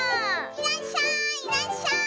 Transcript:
いらっしゃいいらっしゃい。